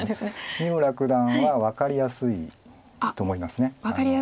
三村九段は分かりやすいと思います。